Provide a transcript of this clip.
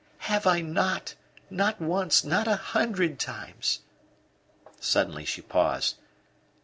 "Have I not! Not once not a hundred times." Suddenly she paused.